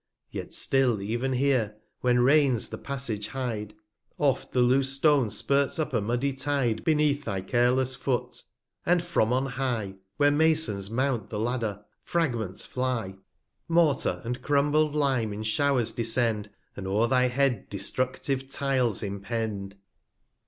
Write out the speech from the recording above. Yet still ev'n Here, when Rains the Passage hide, Oft* the loose Stone spirts up a muddy Tide Beneath thy careless Foot; and from on high, 145 Where Masons mount the Ladder, Fragments fly; Mortar, and crumbled Lime in Show'rs descend, And o'er thy Head destructive Tiles impend.